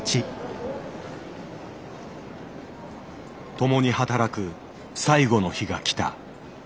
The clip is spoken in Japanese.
共に働く最後の日が来た。